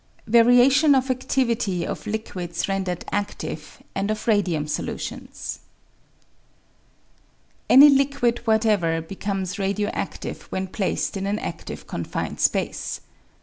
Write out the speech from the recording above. Variation of Activity of Liquids rendered Active and of Radium Solutions. Any liquid whatever becomes radio adtive when placed in an adtive confined space.